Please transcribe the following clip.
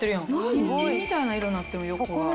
新品みたいな色になってる横が。